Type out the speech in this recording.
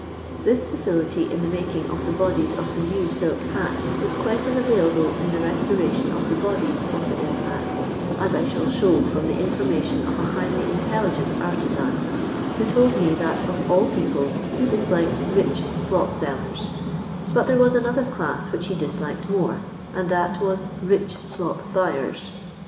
This fiicility in the making of the bodies of the new silk hats is quite as available in the restoration of the bodies of the old hats, as I shall show from the information of a highly intelligent artisan, who told me that of all people he disliked rich ilop sellers ; but there was another class which he disliked more, and that was rich slop buyers.